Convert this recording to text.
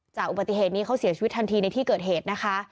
อุบัติเหตุนี้เขาเสียชีวิตทันทีในที่เกิดเหตุนะคะ